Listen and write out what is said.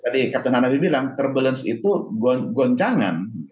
tadi kapten hanabi bilang turbulensi itu goncangan